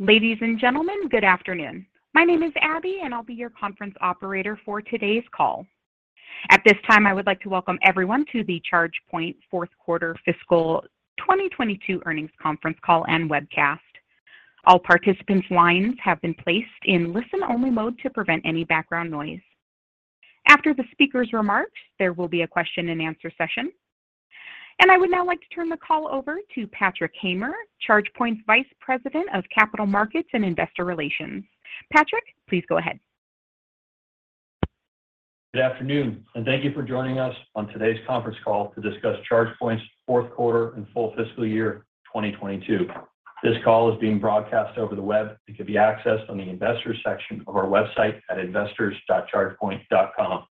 Ladies and gentlemen, good afternoon. My name is Abby, and I'll be your conference operator for today's call. At this time, I would like to welcome everyone to the ChargePoint fourth quarter fiscal year 2022 earnings conference call and webcast. All participants' lines have been placed in listen-only mode to prevent any background noise. After the speaker's remarks, there will be a question-and-answer session. I would now like to turn the call over to Patrick Hamer, ChargePoint's Vice President of Capital Markets and Investor Relations. Patrick, please go ahead. Good afternoon, and thank you for joining us on today's conference call to discuss ChargePoint's fourth quarter and full fiscal year 2022. This call is being broadcast over the web. It can be accessed on the Investors section of our website at investors.chargepoint.com.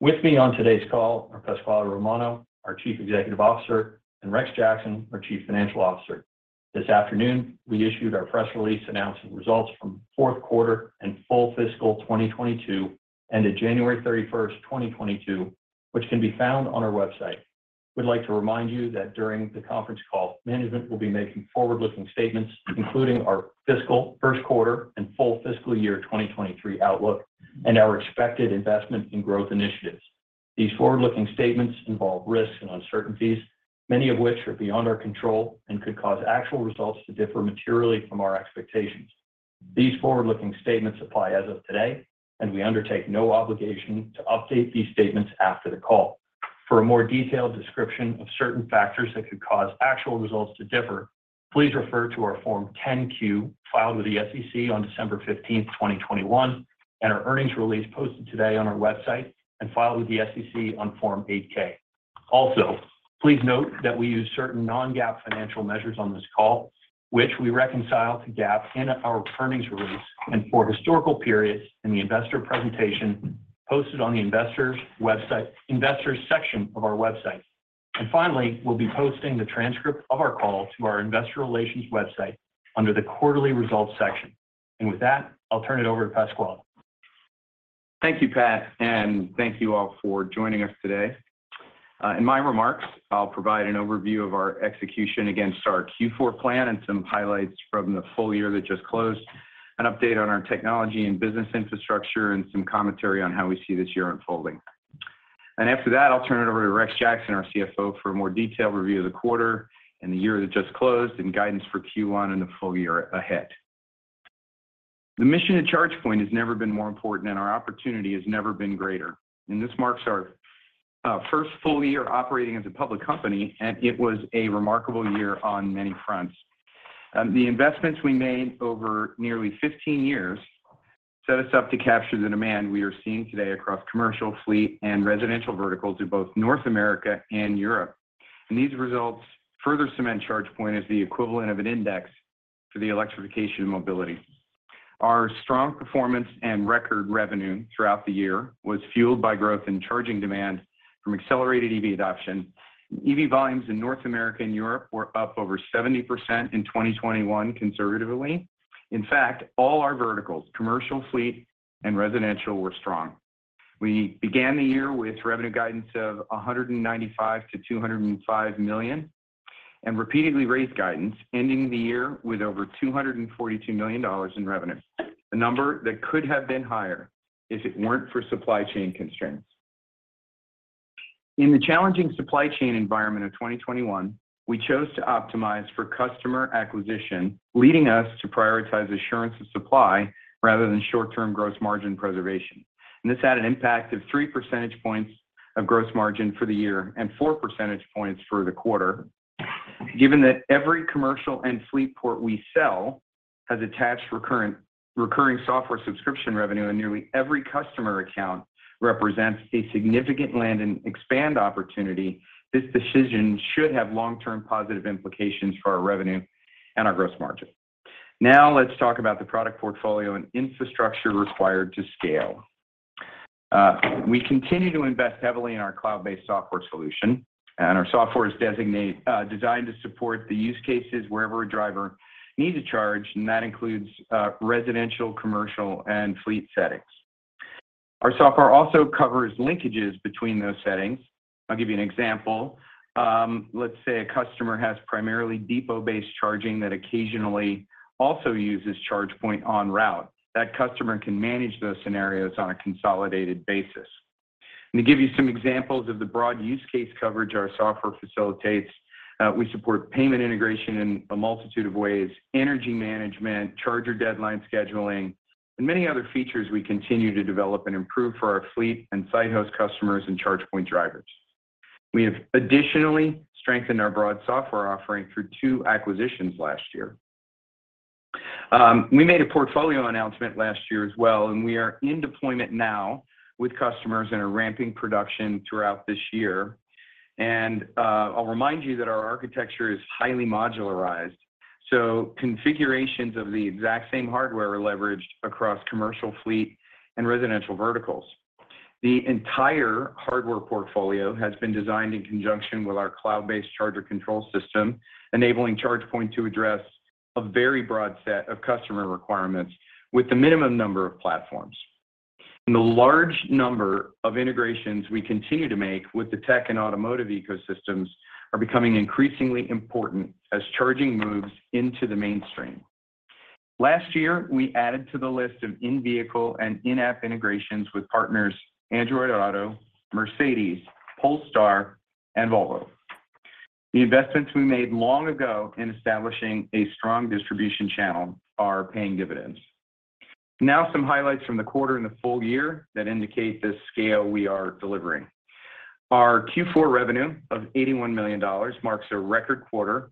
With me on today's call are Pasquale Romano, our Chief Executive Officer, and Rex Jackson, our Chief Financial Officer. This afternoon, we issued our press release announcing results from fourth quarter and full fiscal year 2022, ended January 31, 2022, which can be found on our website. We'd like to remind you that during the conference call, management will be making forward-looking statements, including our fiscal first quarter and full fiscal year 2023 outlook and our expected investment in growth initiatives. These forward-looking statements involve risks and uncertainties, many of which are beyond our control and could cause actual results to differ materially from our expectations. These forward-looking statements apply as of today, and we undertake no obligation to update these statements after the call. For a more detailed description of certain factors that could cause actual results to differ, please refer to our Form 10-Q filed with the SEC on December 15, 2021, and our earnings release posted today on our website and filed with the SEC on Form 8-K. Also, please note that we use certain non-GAAP financial measures on this call, which we reconcile to GAAP in our earnings release and for historical periods in the investor presentation posted on the investors website, Investors section of our website. Finally, we'll be posting the transcript of our call to our Investor Relations website under the Quarterly Results section. With that, I'll turn it over to Pasquale. Thank you, Pat, and thank you all for joining us today. In my remarks, I'll provide an overview of our execution against our Q4 plan and some highlights from the full-year that just closed, an update on our technology and business infrastructure, and some commentary on how we see this year unfolding. After that, I'll turn it over to Rex Jackson, our CFO, for a more detailed review of the quarter and the year that just closed and guidance for Q1 and the full-year ahead. The mission at ChargePoint has never been more important, and our opportunity has never been greater. This marks our first full-year operating as a public company, and it was a remarkable year on many fronts. The investments we made over nearly 15 years set us up to capture the demand we are seeing today across commercial, fleet, and residential verticals in both North America and Europe. These results further cement ChargePoint as the equivalent of an index for the electrification of mobility. Our strong performance and record revenue throughout the year was fueled by growth in charging demand from accelerated EV adoption. EV volumes in North America and Europe were up over 70% in 2021 conservatively. In fact, all our verticals, commercial, fleet, and residential, were strong. We began the year with revenue guidance of $195 million-$205 million and repeatedly raised guidance, ending the year with over $242 million in revenue, a number that could have been higher if it weren't for supply chain constraints. In the challenging supply chain environment of 2021, we chose to optimize for customer acquisition, leading us to prioritize assurance of supply rather than short-term gross margin preservation. This had an impact of 3 percentage points of gross margin for the year and 4 percentage points for the quarter. Given that every commercial and fleet port we sell has attached recurring software subscription revenue, and nearly every customer account represents a significant land and expand opportunity, this decision should have long-term positive implications for our revenue and our gross margin. Now let's talk about the product portfolio and infrastructure required to scale. We continue to invest heavily in our cloud-based software solution, and our software is designed to support the use cases wherever a driver needs a charge, and that includes residential, commercial, and fleet settings. Our software also covers linkages between those settings. I'll give you an example. Let's say a customer has primarily depot-based charging that occasionally also uses ChargePoint en route. That customer can manage those scenarios on a consolidated basis. To give you some examples of the broad use case coverage our software facilitates, we support payment integration in a multitude of ways, energy management, charger deadline scheduling, and many other features we continue to develop and improve for our fleet and site host customers and ChargePoint drivers. We have additionally strengthened our broad software offering through two acquisitions last year. We made a portfolio announcement last year as well, and we are in deployment now with customers and are ramping production throughout this year. I'll remind you that our architecture is highly modularized, so configurations of the exact same hardware are leveraged across commercial, fleet, and residential verticals. The entire hardware portfolio has been designed in conjunction with our cloud-based charger control system, enabling ChargePoint to address a very broad set of customer requirements with the minimum number of platforms. The large number of integrations we continue to make with the tech and automotive ecosystems are becoming increasingly important as charging moves into the mainstream. Last year, we added to the list of in-vehicle and in-app integrations with partners Android Auto, Mercedes, Polestar, and Volvo. The investments we made long ago in establishing a strong distribution channel are paying dividends. Now, some highlights from the quarter and the full-year that indicate the scale we are delivering. Our Q4 revenue of $81 million marks a record quarter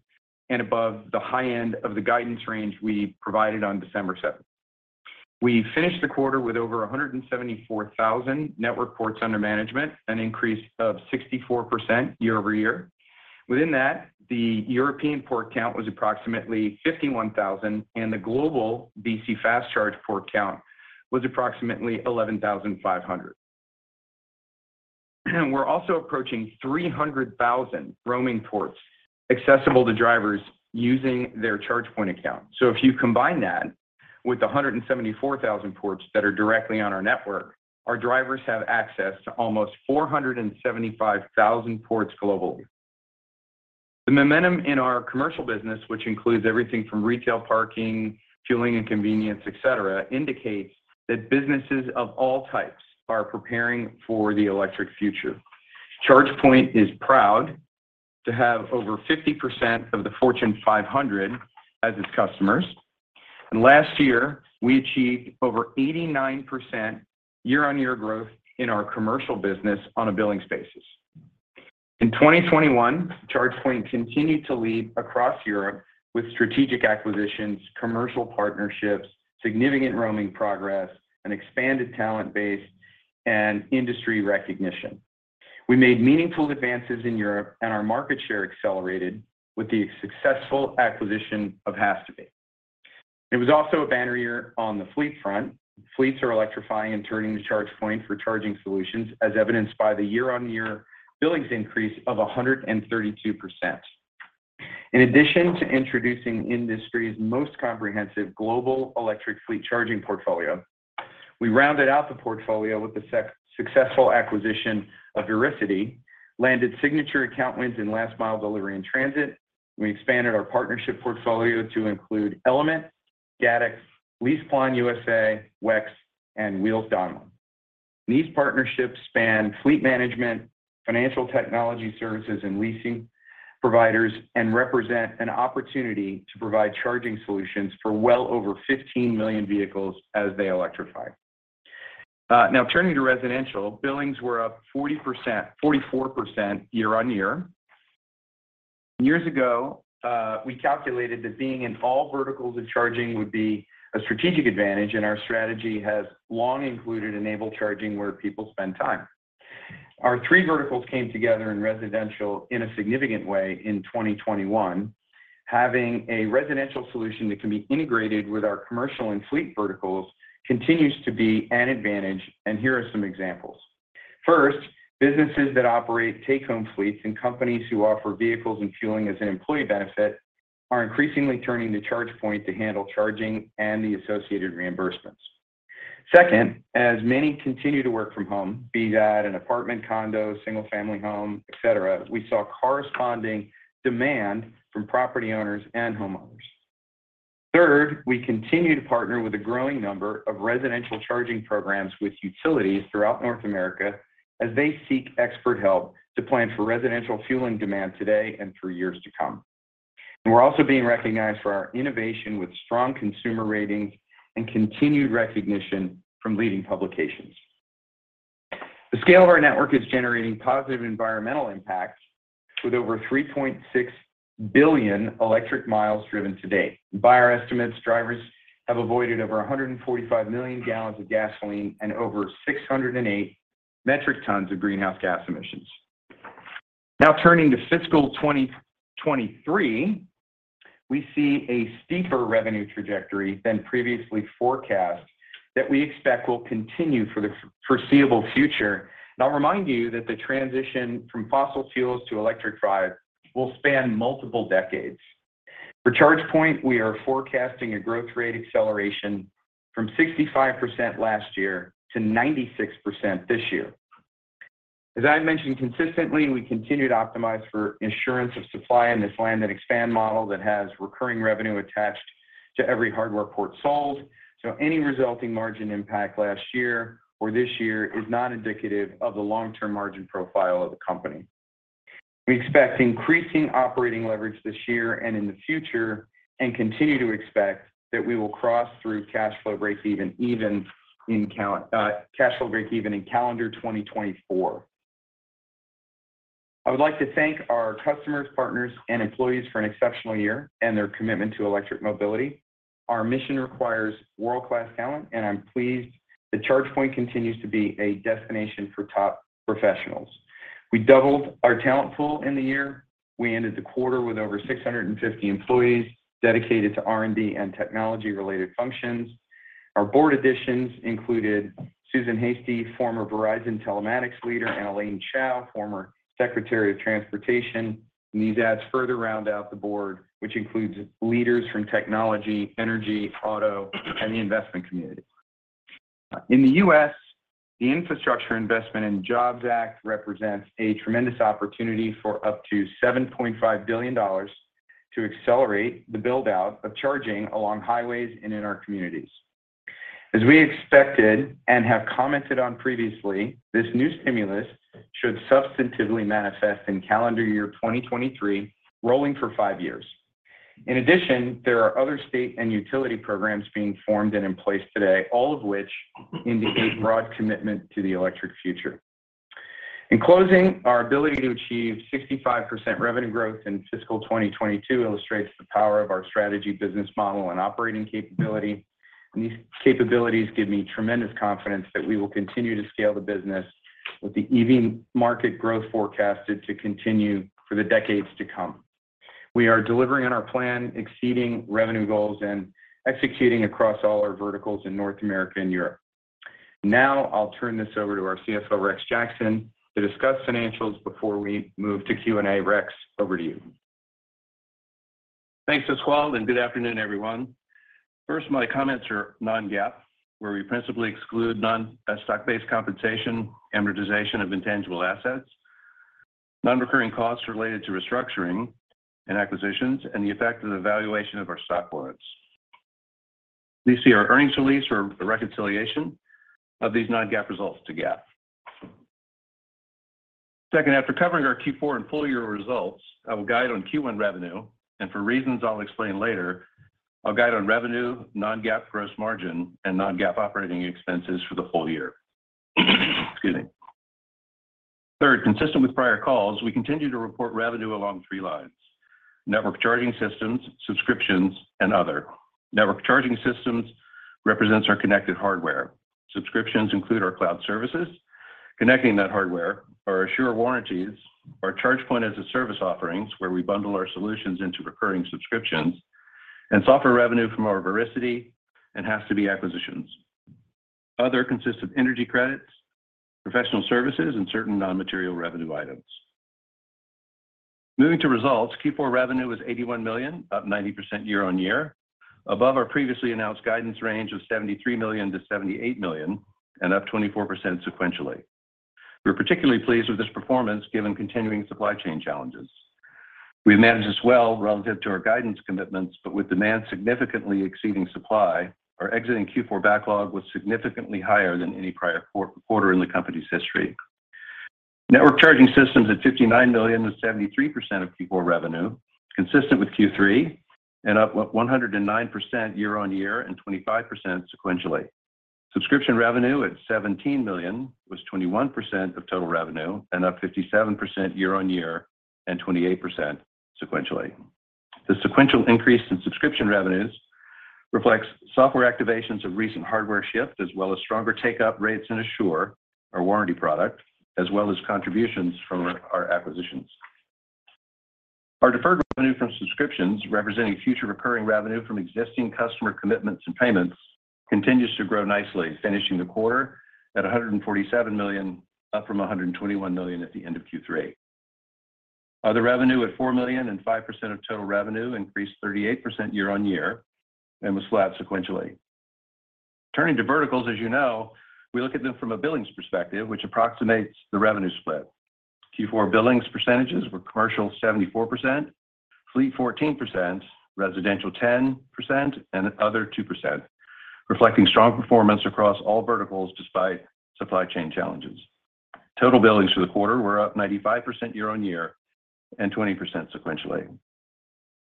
and above the high end of the guidance range we provided on December 7. We finished the quarter with over 174,000 network ports under management, an increase of 64% year-over-year. Within that, the European port count was approximately 51,000, and the global DC fast charge port count was approximately 11,500. We're also approaching 300,000 roaming ports accessible to drivers using their ChargePoint account. If you combine that with the 174,000 ports that are directly on our network, our drivers have access to almost 475,000 ports globally. The momentum in our commercial business, which includes everything from retail, parking, fueling and convenience, et cetera, indicates that businesses of all types are preparing for the electric future. ChargePoint is proud to have over 50% of the Fortune 500 as its customers. Last year, we achieved over 89% year-on-year growth in our commercial business on a billings basis. In 2021, ChargePoint continued to lead across Europe with strategic acquisitions, commercial partnerships, significant roaming progress, an expanded talent base, and industry recognition. We made meaningful advances in Europe, and our market share accelerated with the successful acquisition of has·to·be. It was also a banner year on the fleet front. Fleets are electrifying and turning to ChargePoint for charging solutions, as evidenced by the year-on-year billings increase of 132%. In addition to introducing the industry's most comprehensive global electric fleet charging portfolio, we rounded out the portfolio with the successful acquisition of ViriCiti, landed signature account wins in last mile delivery and transit. We expanded our partnership portfolio to include Element, Datix, LeasePlan USA, WEX, and Wheels Donlen. These partnerships span fleet management, financial technology services, and leasing providers, and represent an opportunity to provide charging solutions for well over 15 million vehicles as they electrify. Now turning to residential, billings were up 44% year-on-year. Years ago, we calculated that being in all verticals of charging would be a strategic advantage, and our strategy has long included enabling charging where people spend time. Our three verticals came together in residential in a significant way in 2021. Having a residential solution that can be integrated with our commercial and fleet verticals continues to be an advantage, and here are some examples. First, businesses that operate take-home fleets and companies who offer vehicles and fueling as an employee benefit are increasingly turning to ChargePoint to handle charging and the associated reimbursements. Second, as many continue to work from home, be that an apartment, condo, single-family home, et cetera, we saw corresponding demand from property owners and homeowners. Third, we continue to partner with a growing number of residential charging programs with utilities throughout North America as they seek expert help to plan for residential fueling demand today and for years to come. We're also being recognized for our innovation with strong consumer ratings and continued recognition from leading publications. The scale of our network is generating positive environmental impacts with over 3.6 billion electric miles driven to date. By our estimates, drivers have avoided over 145 million gallons of gasoline and over 608 metric tons of greenhouse gas emissions. Now turning to fiscal year 2023, we see a steeper revenue trajectory than previously forecast that we expect will continue for the foreseeable future. I'll remind you that the transition from fossil fuels to electric drive will span multiple decades. For ChargePoint, we are forecasting a growth rate acceleration from 65% last year to 96% this year. As I mentioned consistently, we continue to optimize for assurance of supply in this land and expand model that has recurring revenue attached to every hardware port sold, so any resulting margin impact last year or this year is not indicative of the long-term margin profile of the company. We expect increasing operating leverage this year and in the future and continue to expect that we will cross through cash flow breakeven even in calendar 2024. I would like to thank our customers, partners, and employees for an exceptional year and their commitment to electric mobility. Our mission requires world-class talent, and I'm pleased that ChargePoint continues to be a destination for top professionals. We doubled our talent pool in the year. We ended the quarter with over 650 employees dedicated to R&D and technology-related functions. Our board additions included Susan Heystee, former Verizon Telematics leader, and Elaine Chao, former Secretary of Transportation. These additions further round out the board, which includes leaders from technology, energy, auto, and the investment community. In the U.S., the Infrastructure Investment and Jobs Act represents a tremendous opportunity for up to $7.5 billion to accelerate the build-out of charging along highways and in our communities. As we expected and have commented on previously, this new stimulus should substantively manifest in calendar year 2023, rolling for five years. In addition, there are other state and utility programs being formed and in place today, all of which indicate broad commitment to the electric future. In closing, our ability to achieve 65% revenue growth in fiscal year 2022 illustrates the power of our strategy, business model, and operating capability. These capabilities give me tremendous confidence that we will continue to scale the business with the EV market growth forecasted to continue for the decades to come. We are delivering on our plan, exceeding revenue goals, and executing across all our verticals in North America and Europe. Now I'll turn this over to our CFO, Rex Jackson, to discuss financials before we move to Q&A. Rex, over to you. Thanks, Pasquale, and good afternoon, everyone. First, my comments are non-GAAP, where we principally exclude non-stock-based compensation, amortization of intangible assets, non-recurring costs related to restructuring and acquisitions, and the effect of the valuation of our stock warrants. Please see our earnings release for the reconciliation of these non-GAAP results to GAAP. Second, after covering our Q4 and full-year results, I will guide on Q1 revenue, and for reasons I'll explain later, I'll guide on revenue, non-GAAP gross margin, and non-GAAP operating expenses for the full-year. Excuse me. Third, consistent with prior calls, we continue to report revenue along three lines: Network Charging Systems, Subscriptions, and Other. Network Charging Systems represents our connected hardware. Subscriptions include our cloud services, connecting that hardware, our Assure warranties, our ChargePoint As-a-Service offerings, where we bundle our solutions into recurring subscriptions, and software revenue from our ViriCiti and has-to-be acquisitions. Other consists of energy credits, professional services, and certain non-material revenue items. Moving to results, Q4 revenue was $81 million, up 90% year-over-year, above our previously announced guidance range of $73 million-$78 million and up 24% sequentially. We're particularly pleased with this performance given continuing supply chain challenges. We've managed this well relative to our guidance commitments, but with demand significantly exceeding supply, our exiting Q4 backlog was significantly higher than any prior quarter in the company's history. Network Charging Systems at $59 million was 73% of Q4 revenue, consistent with Q3, and up 109% year-over-year and 25% sequentially. Subscription revenue at $17 million was 21% of total revenue and up 57% year-over-year and 28% sequentially. The sequential increase in subscription revenues reflects software activations of recent hardware shipped, as well as stronger take-up rates in Assure, our warranty product, as well as contributions from our acquisitions. Our deferred revenue from subscriptions, representing future recurring revenue from existing customer commitments and payments, continues to grow nicely, finishing the quarter at $147 million, up from $121 million at the end of Q3. Other revenue at $4 million and 5% of total revenue increased 38% year-on-year and was flat sequentially. Turning to verticals, as you know, we look at them from a billings perspective, which approximates the revenue split. Q4 billings percentages were commercial 74%, fleet 14%, residential 10%, and other 2%, reflecting strong performance across all verticals despite supply chain challenges. Total billings for the quarter were up 95% year-over-year and 20% sequentially.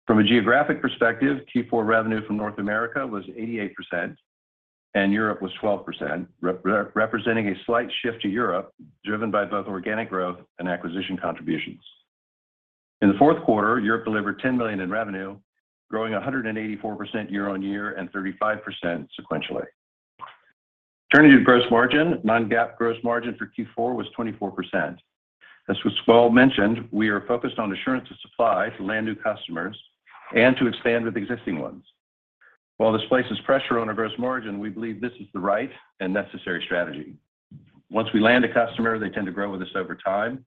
From a geographic perspective, Q4 revenue from North America was 88% and Europe was 12%, representing a slight shift to Europe, driven by both organic growth and acquisition contributions. In the fourth quarter, Europe delivered $10 million in revenue, growing 184% year-over-year and 35% sequentially. Turning to gross margin, non-GAAP gross margin for Q4 was 24%. As Pasquale mentioned, we are focused on assurance of supply to land new customers and to expand with existing ones. While this places pressure on our gross margin, we believe this is the right and necessary strategy. Once we land a customer, they tend to grow with us over time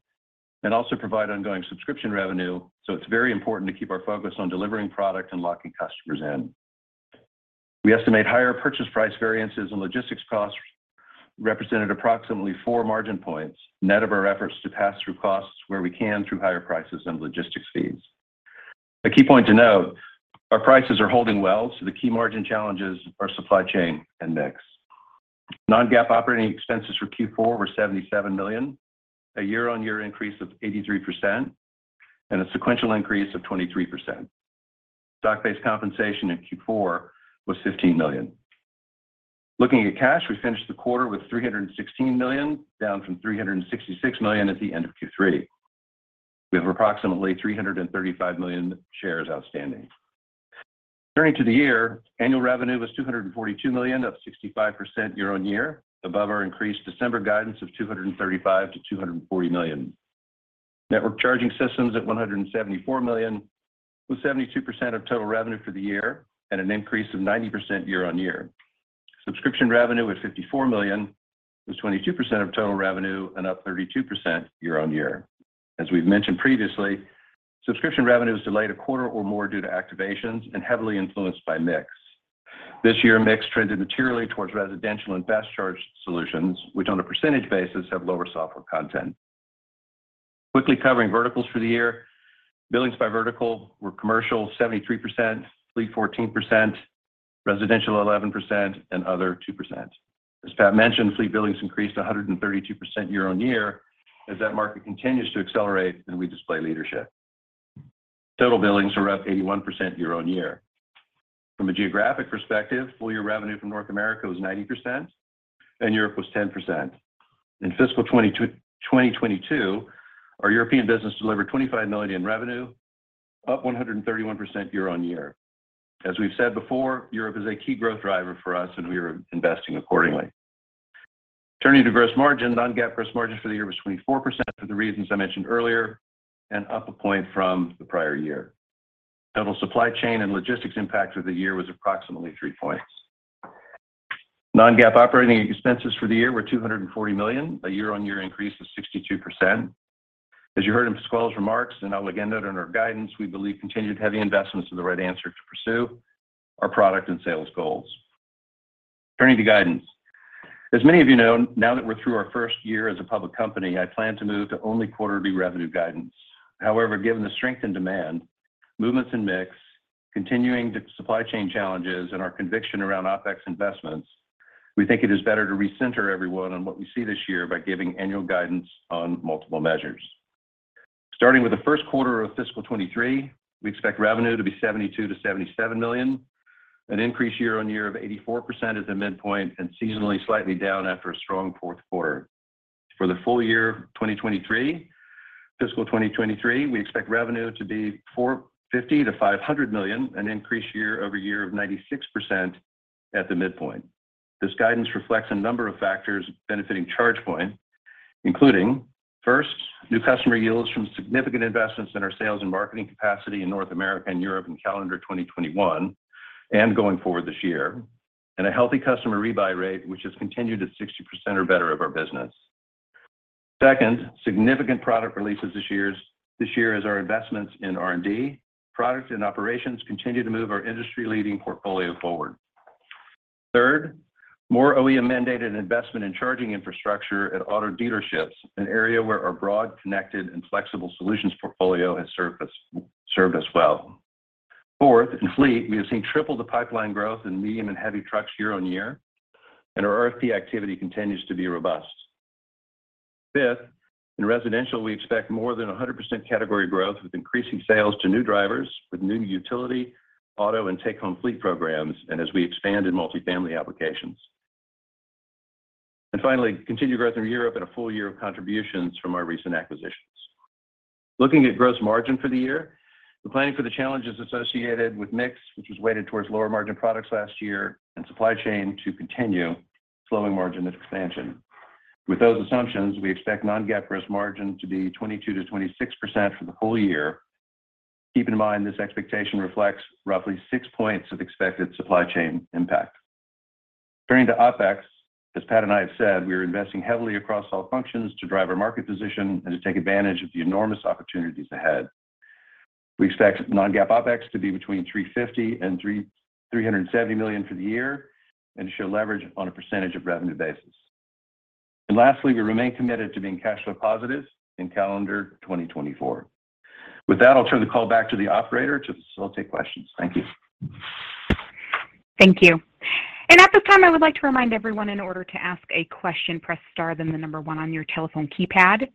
and also provide ongoing subscription revenue, so it's very important to keep our focus on delivering product and locking customers in. We estimate higher purchase price variances and logistics costs represented approximately 4 margin points, net of our efforts to pass through costs where we can through higher prices and logistics fees. A key point to note, our prices are holding well, so the key margin challenges are supply chain and mix. Non-GAAP operating expenses for Q4 were $77 million, a year-on-year increase of 83% and a sequential increase of 23%. Stock-based compensation in Q4 was $15 million. Looking at cash, we finished the quarter with $316 million, down from $366 million at the end of Q3. We have approximately 335 million shares outstanding. Turning to the year, annual revenue was $242 million, up 65% year-on-year, above our increased December guidance of $235 million-$240 million. Network Charging Systems at $174 million, with 72% of total revenue for the year and an increase of 90% year-on-year. Subscription revenue at $54 million was 22% of total revenue and up 32% year-on-year. As we've mentioned previously, Subscription revenue is delayed a quarter or more due to activations and heavily influenced by mix. This year, mix trended materially towards residential and best charged solutions, which on a percentage basis have lower software content. Quickly covering verticals for the year, billings by vertical were commercial 73%, fleet 14%, residential 11%, and other 2%. As Pat mentioned, fleet billings increased 132% year-over-year as that market continues to accelerate, and we display leadership. Total billings are up 81% year-over-year. From a geographic perspective, full-year revenue from North America was 90%, and Europe was 10%. In fiscal year 2022, our European business delivered $25 million in revenue, up 131% year-over-year. As we've said before, Europe is a key growth driver for us, and we are investing accordingly. Turning to gross margin. Non-GAAP gross margin for the year was 24% for the reasons I mentioned earlier, and up one point from the prior year. Total supply chain and logistics impact of the year was approximately three points. Non-GAAP operating expenses for the year were $240 million, a year-over-year increase of 62%. As you heard in Pasquale's remarks, and I'll again note in our guidance, we believe continued heavy investments are the right answer to pursue our product and sales goals. Turning to guidance. As many of you know, now that we're through our first year as a public company, I plan to move to only quarterly revenue guidance. However, given the strength in demand, movements in mix, continuing supply chain challenges, and our conviction around OpEx investments, we think it is better to recenter everyone on what we see this year by giving annual guidance on multiple measures. Starting with the first quarter of fiscal year 2023, we expect revenue to be $72 million-$77 million, a year-on-year increase of 84% at the midpoint, and seasonally slightly down after a strong fourth quarter. For the full-year of 2023, fiscal year 2023, we expect revenue to be $450 million-$500 million, an increase year-over-year of 96% at the midpoint. This guidance reflects a number of factors benefiting ChargePoint, including, first, new customer yields from significant investments in our sales and marketing capacity in North America and Europe in calendar 2021 and going forward this year, and a healthy customer rebuy rate, which has continued at 60% or better of our business. Second, significant product releases this year as our investments in R&D, product and operations continue to move our industry-leading portfolio forward. Third, more OEM-mandated investment in charging infrastructure at auto dealerships, an area where our broad, connected and flexible solutions portfolio has served us well. Fourth, in fleet, we have seen triple the pipeline growth in medium and heavy trucks year-on-year, and our RFP activity continues to be robust. Fifth, in residential, we expect more than 100% category growth with increasing sales to new drivers, with new utility, auto, and take-home fleet programs, and as we expand in multi-family applications. Finally, continued growth in Europe and a full-year of contributions from our recent acquisitions. Looking at gross margin for the year, we're planning for the challenges associated with mix, which was weighted towards lower margin products last year, and supply chain to continue slowing margin expansion. With those assumptions, we expect non-GAAP gross margin to be 22%-26% for the full-year. Keep in mind, this expectation reflects roughly six points of expected supply chain impact. Turning to OpEx, as Pat and I have said, we are investing heavily across all functions to drive our market position and to take advantage of the enormous opportunities ahead. We expect non-GAAP OpEx to be between $350 million and $370 million for the year and to show leverage on a percentage of revenue basis. Lastly, we remain committed to being cash flow positive in calendar 2024. With that, I'll turn the call back to the operator to facilitate questions. Thank you. Thank you. At this time, I would like to remind everyone in order to ask a question, press star then one on your telephone keypad.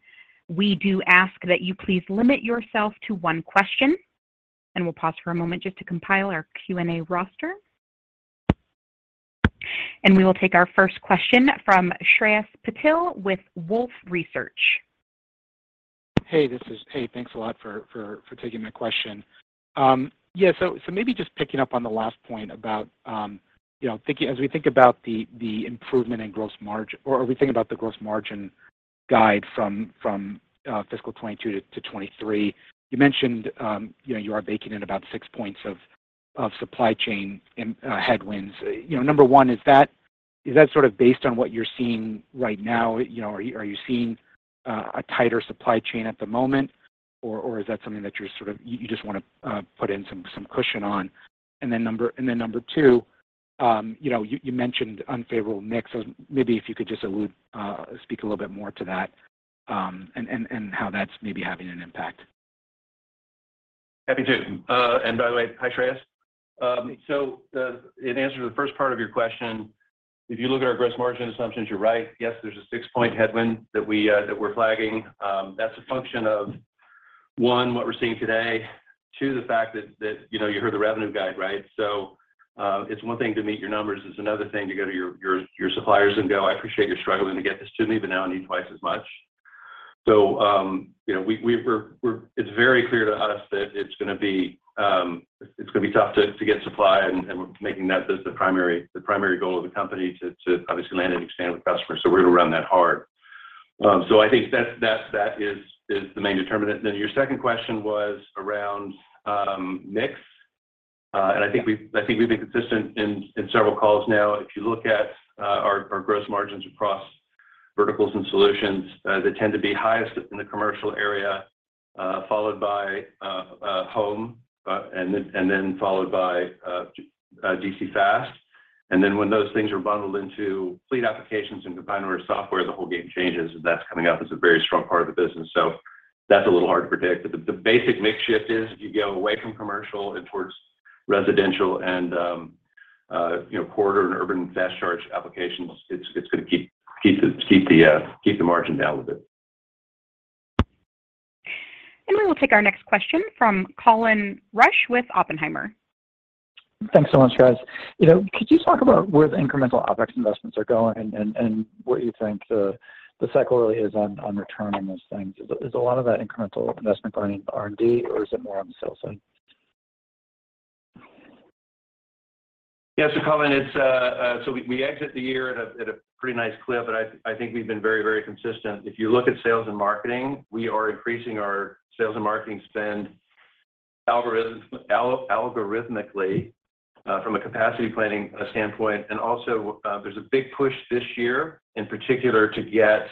We do ask that you please limit yourself to one question. We'll pause for a moment just to compile our Q&A roster. We will take our first question from Shreyas Patil with Wolfe Research. Hey, thanks a lot for taking my question. Yeah. Maybe just picking up on the last point about, you know, as we think about the improvement in gross margin as we think about the gross margin guide from fiscal year 2022 to 2023, you mentioned, you know, you are baking in about six points of supply chain and headwinds. You know, number one, is that sort of based on what you're seeing right now? You know, are you seeing a tighter supply chain at the moment, or is that something that you're sort of you just wanna put in some cushion on? Then number two, you know, you mentioned unfavorable mix. Maybe if you could just speak a little bit more to that, and how that's maybe having an impact. Happy to. By the way, hi, Shreyas. In answer to the first part of your question, if you look at our gross margin assumptions, you're right. Yes, there's a six-point headwind that we're flagging. That's a function of one, what we're seeing today. Two, the fact that you know, you heard the revenue guide, right? It's one thing to meet your numbers. It's another thing to go to your suppliers and go, "I appreciate you struggling to get this to me, but now I need twice as much." You know, it's very clear to us that it's gonna be tough to get supply, and we're making that as the primary goal of the company to obviously land and expand with customers. We're gonna run that hard. I think that's the main determinant. Then your second question was around mix. I think we've been consistent in several calls now. If you look at our gross margins across verticals and solutions, they tend to be highest in the commercial area, followed by home, and then followed by DC fast. Then when those things are bundled into fleet applications and combined with our software, the whole game changes, and that's coming up as a very strong part of the business. That's a little hard to predict. The basic mix shift is if you go away from commercial and towards residential and, you know, AC and urban fast charge applications, it's gonna keep the margin down a bit. We will take our next question from Colin Rusch with Oppenheimer. Thanks so much, guys. You know, could you talk about where the incremental OpEx investments are going and what you think the cycle really is on returning those things? Is a lot of that incremental investment going in R&D or is it more on the sales end? Colin, it's so we exit the year at a pretty nice clip, and I think we've been very consistent. If you look at sales and marketing, we are increasing our sales and marketing spend algorithmically from a capacity planning standpoint. There's a big push this year in particular to get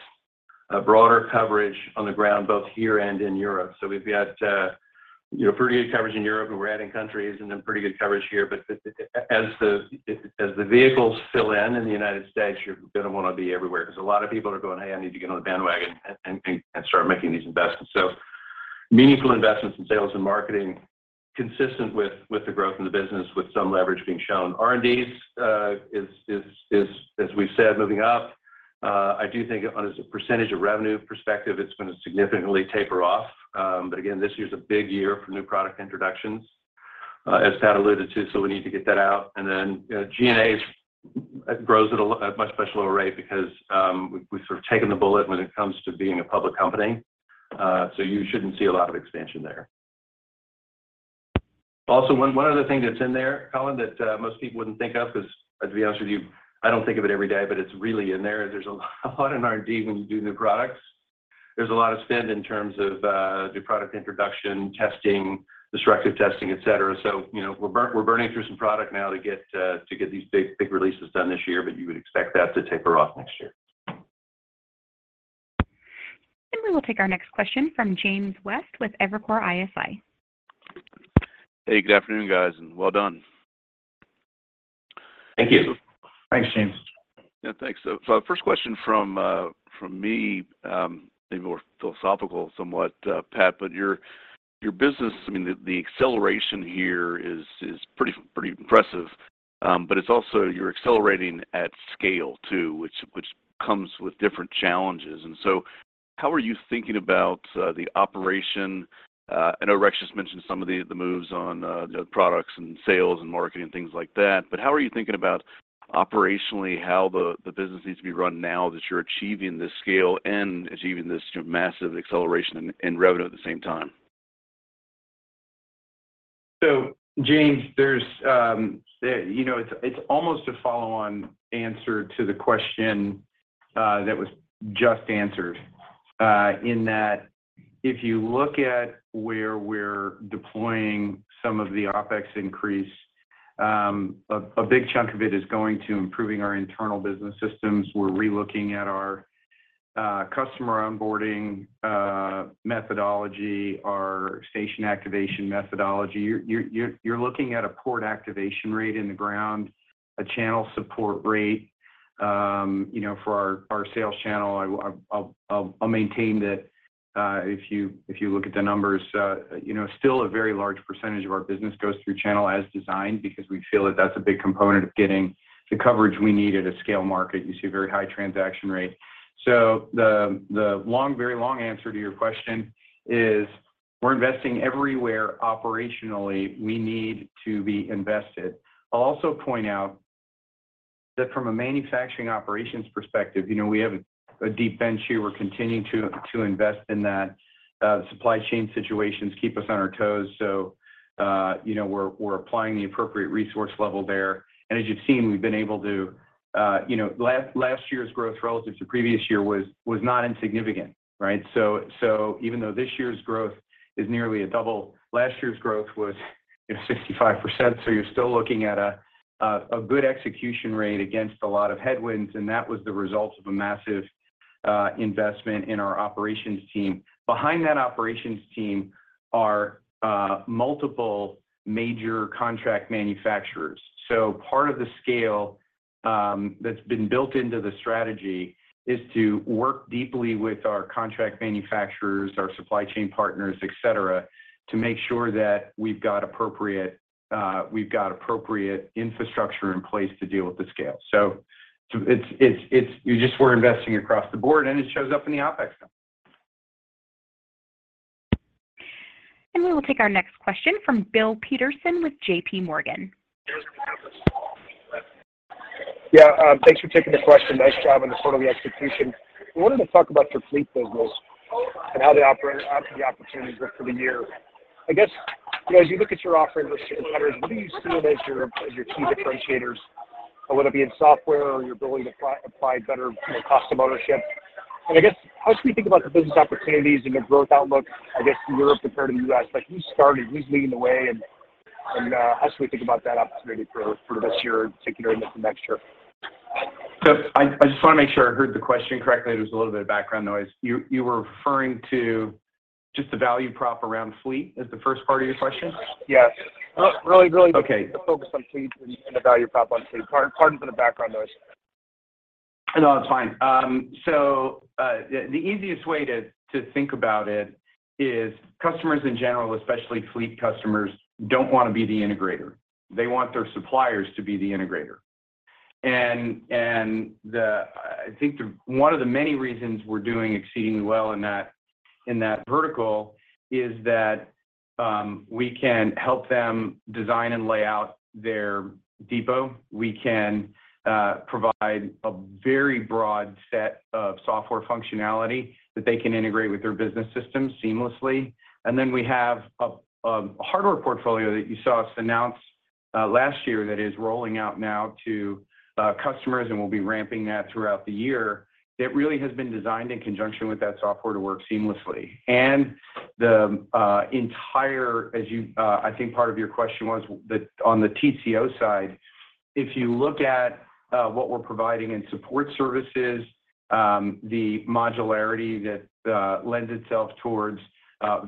a broader coverage on the ground, both here and in Europe. We've had you know, pretty good coverage in Europe, and we're adding countries and then pretty good coverage here. As the vehicles fill in the United States, you're gonna wanna be everywhere 'cause a lot of people are going, "Hey, I need to get on the bandwagon and start making these investments." Meaningful investments in sales and marketing consistent with the growth in the business with some leverage being shown. R&D is, as we've said, moving up. I do think from a percentage of revenue perspective, it's gonna significantly taper off. But again, this year's a big year for new product introductions, as Pat alluded to, so we need to get that out. Then, you know, G&A grows at a much slower rate because we've sort of taken the bullet when it comes to being a public company. You shouldn't see a lot of expansion there. Also, one other thing that's in there, Colin, that most people wouldn't think of 'cause to be honest with you, I don't think of it every day, but it's really in there. There's a lot in R&D when you do new products. There's a lot of spend in terms of new product introduction, testing, destructive testing, et cetera. You know, we're burning through some product now to get these big releases done this year, but you would expect that to taper off next year. We will take our next question from James West with Evercore ISI. Hey, Good afternoon guys, and well done. Thank you. Thanks, James. Yeah, thanks. First question from me, maybe more philosophical, somewhat, Pat, but your business, I mean the acceleration here is pretty impressive. It's also you're accelerating at scale too which comes with different challenges. How are you thinking about the operation? I know Rex just mentioned some of the moves on the products and sales and marketing, things like that, but how are you thinking about operationally, how the business needs to be run now that you're achieving this scale and achieving this massive acceleration in revenue at the same time? James, there's almost a follow-on answer to the question that was just answered in that if you look at where we're deploying some of the OpEx increase, a big chunk of it is going to improving our internal business systems. We're re-looking at our customer onboarding methodology, our station activation methodology. You're looking at a port activation rate in the ground, a channel support rate for our sales channel. I'll maintain that if you look at the numbers, still a very large percentage of our business goes through channel as designed because we feel that that's a big component of getting the coverage we need at a scale market. You see a very high transaction rate. The long, very long answer to your question is we're investing everywhere operationally we need to be invested. I'll also point out that from a manufacturing operations perspective, we have a deep bench here. We're continuing to invest in that. The supply chain situations keep us on our toes. We're applying the appropriate resource level there. As you've seen, we've been able to. Last year's growth relative to previous year was not insignificant. Even though this year's growth is nearly a double, last year's growth was 65%. You're still looking at a good execution rate against a lot of headwinds, and that was the result of a massive investment in our operations team. Behind that operations team are multiple major contract manufacturers. Part of the scale that's been built into the strategy is to work deeply with our contract manufacturers, our supply chain partners, et cetera, to make sure that we've got appropriate infrastructure in place to deal with the scale. It's. We're investing across the board and it shows up in the OpEx number. We will take our next question from Bill Peterson with JPMorgan. Yeah. Thanks for taking the question. Nice job on the sort of execution. I wanted to talk about your fleet business and how the opportunities look for the year. I guess, you know, as you look at your offering versus your competitors, what do you see as your key differentiators? Whether it be in software or your ability to apply better, you know, cost of ownership. I guess, how should we think about the business opportunities and your growth outlook, I guess, Europe compared to the U.S.? Like, who started? Who's leading the way and how should we think about that opportunity for this year in particular and into next year? I just wanna make sure I heard the question correctly. There was a little bit of background noise. You were referring to just the value prop around fleet, is the first part of your question? Yes. Really. Okay The focus on fleet and the value prop on fleet. Pardon for the background noise. No, that's fine. So, the easiest way to think about it is customers in general, especially fleet customers, don't wanna be the integrator. They want their suppliers to be the integrator. I think one of the many reasons we're doing exceedingly well in that vertical is that, we can help them design and lay out their depot. We can provide a very broad set of software functionality that they can integrate with their business systems seamlessly. Then we have a hardware portfolio that you saw us announce last year that is rolling out now to customers, and we'll be ramping that throughout the year, that really has been designed in conjunction with that software to work seamlessly. The entire, I think part of your question was on the TCO side. If you look at what we're providing in support services, the modularity that lends itself towards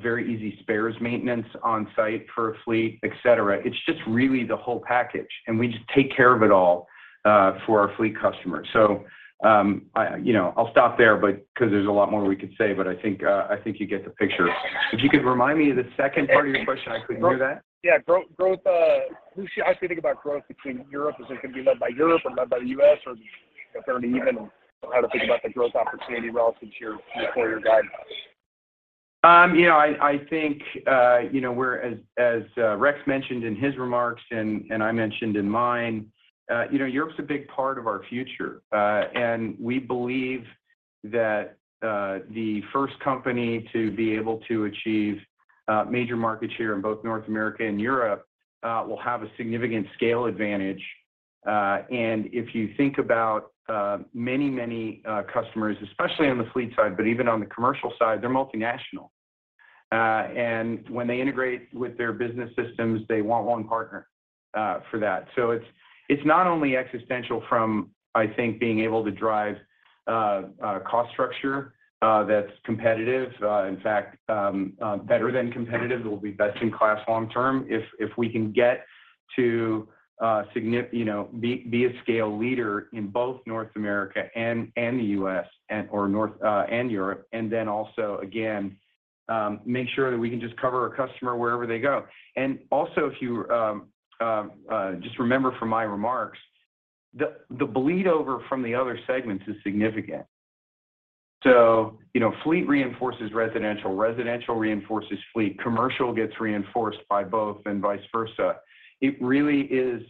very easy spares maintenance on site for a fleet, et cetera. It's just really the whole package, and we just take care of it all for our fleet customers. I, you know, I'll stop there, but because there's a lot more we could say, but I think you get the picture. If you could remind me of the second part of your question, I couldn't hear that. Yeah. Growth, how should we think about growth between Europe? Is it gonna be led by Europe or led by the U.S. or is it fairly even? How to think about the growth opportunity relative to your full-year guidance? You know, I think, you know, we're as Rex mentioned in his remarks and I mentioned in mine, you know, Europe's a big part of our future. We believe that the first company to be able to achieve major market share in both North America and Europe will have a significant scale advantage. If you think about many customers, especially on the fleet side, but even on the commercial side, they're multinational. When they integrate with their business systems, they want one partner for that. It's not only existential from, I think, being able to drive a cost structure that's competitive, in fact, better than competitive. It will be best in class long term if we can get to you know be a scale leader in both North America and the U.S. or North and Europe. Then also again make sure that we can just cover our customer wherever they go. Also if you just remember from my remarks, the bleed over from the other segments is significant. You know, fleet reinforces residential reinforces fleet. Commercial gets reinforced by both and vice versa. It really is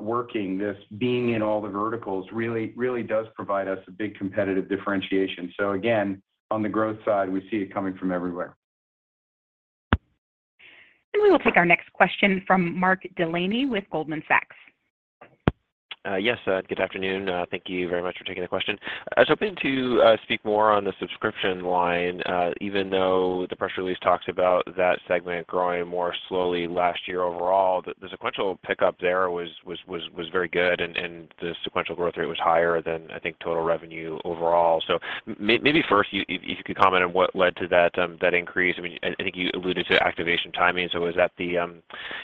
working. This being in all the verticals really really does provide us a big competitive differentiation. Again, on the growth side, we see it coming from everywhere. We will take our next question from Mark Delaney with Goldman Sachs. Yes. Good afternoon. Thank you very much for taking the question. I was hoping to speak more on the subscription line. Even though the press release talks about that segment growing more slowly last year overall, the sequential pickup there was very good and the sequential growth rate was higher than I think total revenue overall. Maybe first, if you could comment on what led to that increase. I mean, I think you alluded to activation timing. Was that the,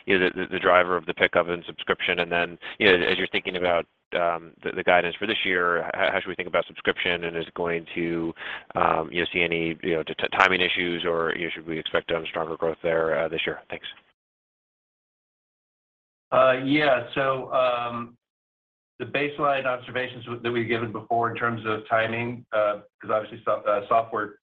you know, the driver of the pickup in subscription? You know, as you're thinking about the guidance for this year, how should we think about subscription, and is it going to you know timing issues, or should we expect stronger growth there this year? Thanks. The baseline observations that we've given before in terms of timing, because obviously software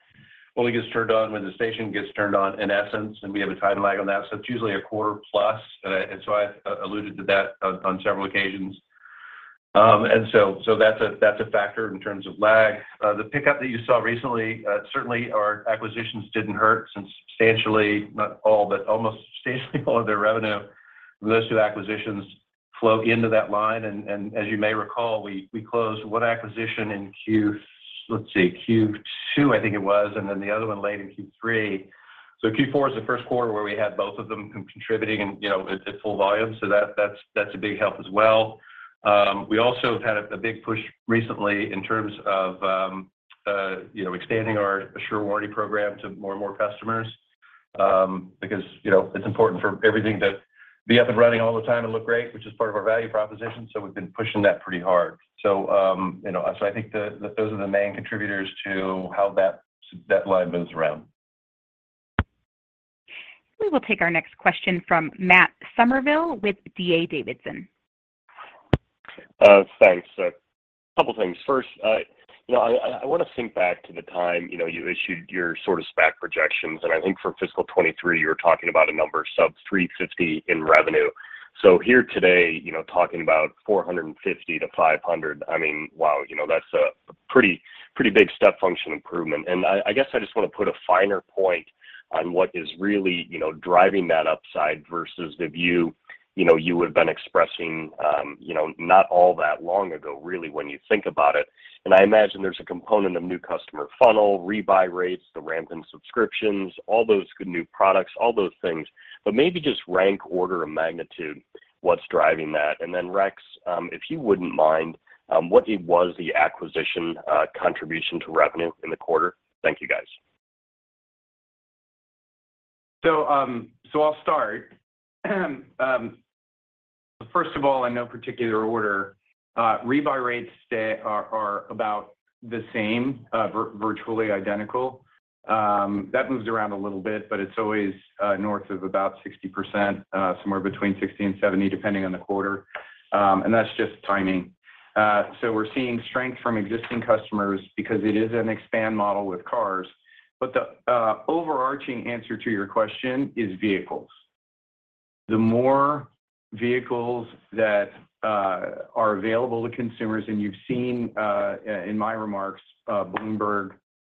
only gets turned on when the station gets turned on in essence, and we have a time lag on that. It's usually a quarter plus. I've alluded to that on several occasions. That's a factor in terms of lag. The pickup that you saw recently, certainly our acquisitions didn't hurt since substantially, not all, but almost substantially all of their revenue from those two acquisitions flow into that line. As you may recall, we closed one acquisition in Q, let's see, Q2 I think it was, and then the other one late in Q3. Q4 is the first quarter where we had both of them contributing and, you know, at full volume. That's a big help as well. We also have had a big push recently in terms of you know expanding our Assure warranty program to more and more customers because you know it's important for everything to be up and running all the time and look great, which is part of our value proposition. We've been pushing that pretty hard. I think those are the main contributors to how that line moves around. We will take our next question from Matt Summerville with D.A. Davidson. Thanks. A couple things. First, you know, I wanna think back to the time, you know, you issued your sort of SPAC projections, and I think for fiscal year 2023, you were talking about a number sub-$350 million in revenue. Here today, you know, talking about $450 million-$500 million, I mean, wow. You know, that's a pretty big step function improvement. I guess I just wanna put a finer point on what is really, you know, driving that upside versus the view, you know, you had been expressing, you know, not all that long ago, really when you think about it. I imagine there's a component of new customer funnel, rebuy rates, the ramp in subscriptions, all those good new products, all those things. Maybe just rank order of magnitude, what's driving that? Then Rex, if you wouldn't mind, what it was the acquisition, contribution to revenue in the quarter? Thank you guys. I'll start. First of all, in no particular order, rebuy rates are about the same, virtually identical. That moves around a little bit, but it's always north of about 60%, somewhere between 60%-70%, depending on the quarter. That's just timing. We're seeing strength from existing customers because it is an expand model with cars. The overarching answer to your question is vehicles. The more vehicles that are available to consumers, and you've seen in my remarks, Bloomberg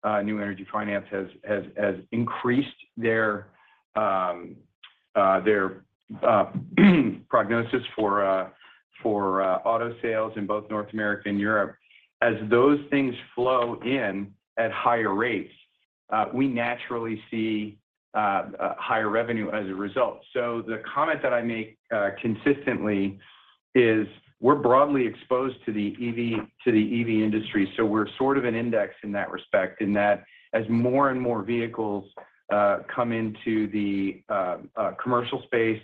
New Energy Finance has increased their prognosis for auto sales in both North America and Europe. As those things flow in at higher rates, we naturally see higher revenue as a result. The comment that I make consistently is we're broadly exposed to the EV industry, so we're sort of an index in that respect, in that as more and more vehicles come into the commercial space,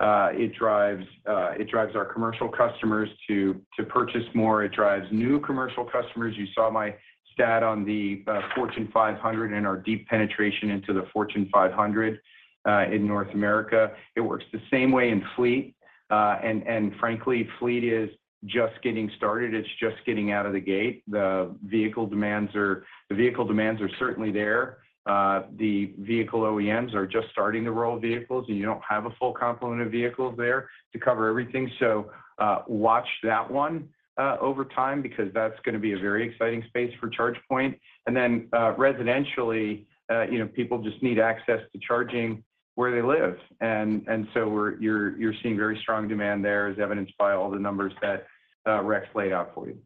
it drives our commercial customers to purchase more. It drives new commercial customers. You saw my stat on the Fortune 500 and our deep penetration into the Fortune 500 in North America. It works the same way in fleet. Frankly, fleet is just getting started. It's just getting out of the gate. The vehicle demands are certainly there. The vehicle OEMs are just starting to roll vehicles, and you don't have a full complement of vehicles there to cover everything. Watch that one over time because that's gonna be a very exciting space for ChargePoint. Then, residentially, you know, people just need access to charging where they live. You're seeing very strong demand there as evidenced by all the numbers that Rex laid out for you.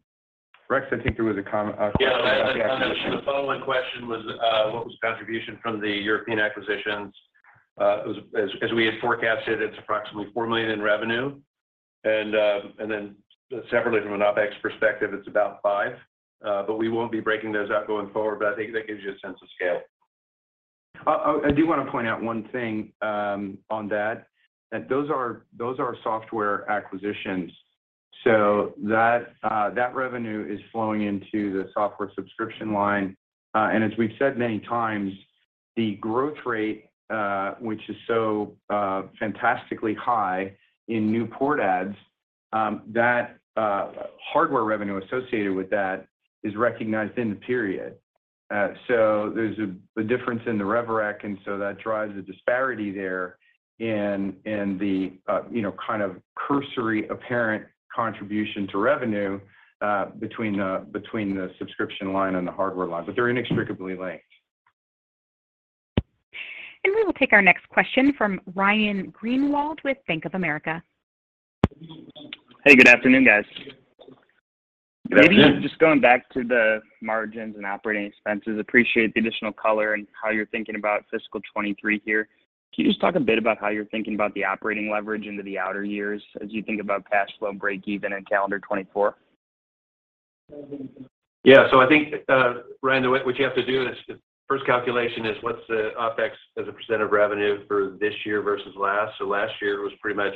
Rex, I think there was a question about the acquisition. Yeah. The follow-on question was, what was the contribution from the European acquisitions? As we had forecasted, it's approximately $4 million in revenue. Then separately from an OpEx perspective, it's about $5 million. But we won't be breaking those out going forward, but I think that gives you a sense of scale. I do wanna point out one thing on that. Those are software acquisitions, so that revenue is flowing into the software subscription line. As we've said many times, the growth rate which is so fantastically high in new port adds, that hardware revenue associated with that is recognized in the period. There's the difference in the revenue recognition, and so that drives the disparity there in the you know kind of cursory apparent contribution to revenue between the subscription line and the hardware line. They're inextricably linked. We will take our next question from Ryan Greenwald with Bank of America. Hey, good afternoon, guys. Good afternoon. Good afternoon. Maybe just going back to the margins and operating expenses. Appreciate the additional color and how you're thinking about fiscal year 2023 here. Can you just talk a bit about how you're thinking about the operating leverage into the outer years as you think about cash flow breakeven in calendar 2024? Yeah. I think, Ryan, what you have to do is the first calculation is what's the OpEx as a percent of revenue for this year versus last. Last year it was pretty much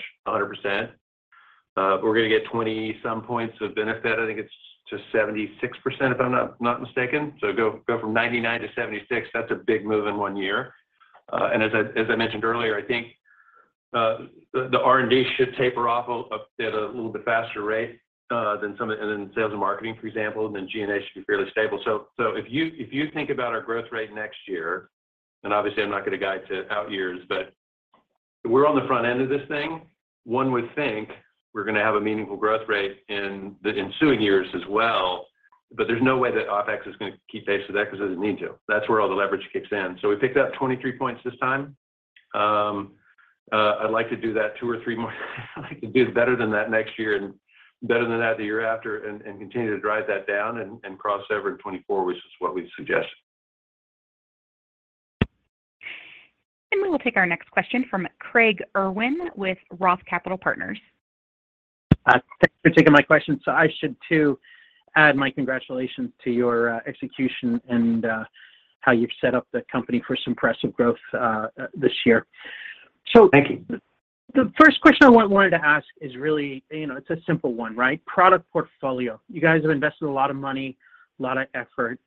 100%. But we're gonna get 20-some points of benefit. I think it's to 76%, if I'm not mistaken. Go from 99 to 76. That's a big move in one year. And as I mentioned earlier, I think the R&D should taper off a bit a little bit faster rate than sales and marketing, for example, than G&A should be fairly stable. If you think about our growth rate next year, and obviously I'm not gonna guide to out years, but we're on the front end of this thing. One would think we're gonna have a meaningful growth rate in the ensuing years as well, but there's no way that OpEx is gonna keep pace with that because it doesn't need to. That's where all the leverage kicks in. We picked up 23 points this time. I'd like to do that two or three more. I'd like to do it better than that next year and better than that the year after and continue to drive that down and cross over in 2024, which is what we suggest. We will take our next question from Craig Irwin with Roth Capital Partners. Thank you for taking my question. I should too add my congratulations to your execution and how you've set up the company for some impressive growth this year. Thank you. The first question I wanted to ask is really, you know, it's a simple one, right? Product portfolio. You guys have invested a lot of money, a lot of effort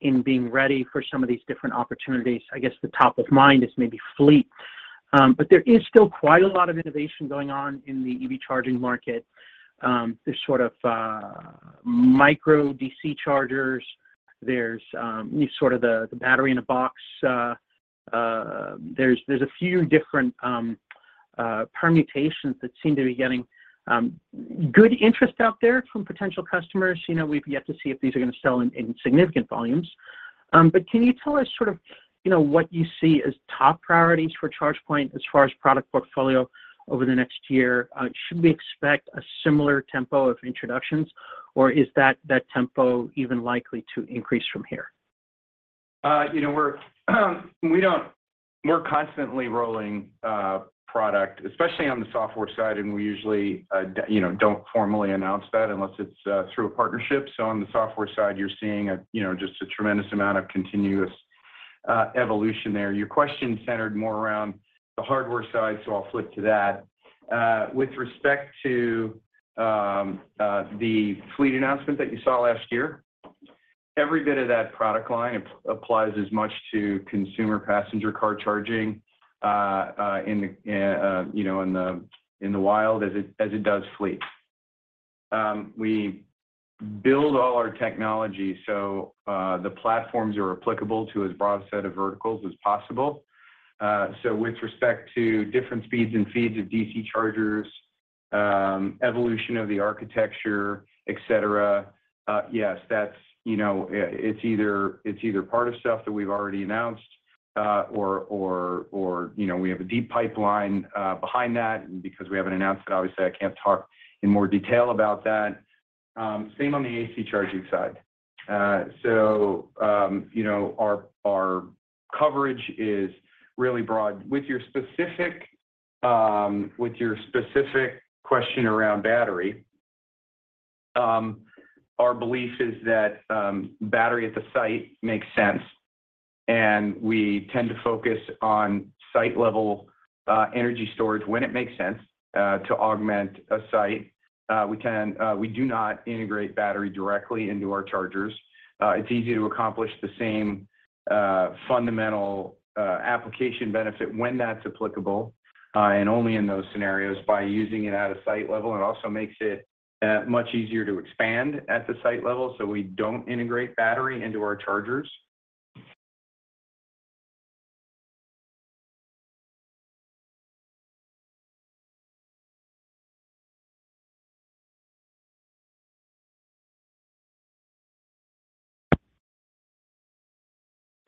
in being ready for some of these different opportunities. I guess the top of mind is maybe fleet. There is still quite a lot of innovation going on in the EV charging market. There's sort of micro DC chargers. There's the battery in a box. There's a few different permutations that seem to be getting good interest out there from potential customers. You know, we've yet to see if these are gonna sell in significant volumes. Can you tell us sort of, you know, what you see as top priorities for ChargePoint as far as product portfolio over the next year? Should we expect a similar tempo of introductions, or is that tempo even likely to increase from here? We're constantly rolling product, especially on the software side, and we usually don't formally announce that unless it's through a partnership. On the software side, you're seeing just a tremendous amount of continuous evolution there. Your question centered more around the hardware side, so I'll flip to that. With respect to the fleet announcement that you saw last year, every bit of that product line applies as much to consumer passenger car charging in the wild as it does fleet. We build all our technology, so the platforms are applicable to as broad a set of verticals as possible. With respect to different speeds and feeds of DC chargers, evolution of the architecture, et cetera, yes, it's either part of stuff that we've already announced, or you know, we have a deep pipeline behind that. Because we haven't announced it, obviously, I can't talk in more detail about that. Same on the AC charging side. Our coverage is really broad. With your specific question around battery, our belief is that battery at the site makes sense, and we tend to focus on site-level energy storage when it makes sense to augment a site. We do not integrate battery directly into our chargers. It's easier to accomplish the same fundamental application benefit when that's applicable and only in those scenarios by using it at a site level. It also makes it much easier to expand at the site level, so we don't integrate battery into our chargers.